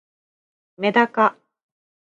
めだか